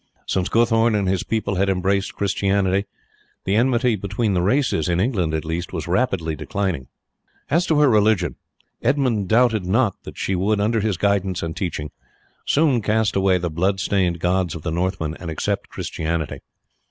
Since Guthorn and his people had embraced Christianity, the enmity between the races, in England at least, was rapidly declining. As to her religion, Edmund doubted not that she would, under his guidance and teaching, soon cast away the blood stained gods of the Northmen and accept Christianity.